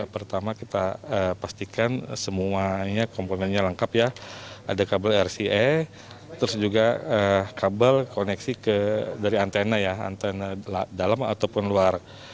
pertama kita pastikan semuanya komponennya lengkap ya ada kabel rca terus juga kabel koneksi dari antena ya antena dalam ataupun luar